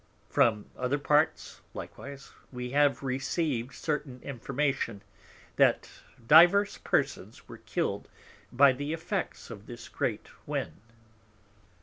From other Parts likewise we have received certain Information, that divers Persons were killed by the Effects of this great Wind.